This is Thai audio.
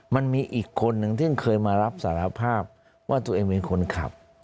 มันมีอีกคนนึงซึ่งเคยมารับสารภาพว่าตัวเองเป็นคนขับ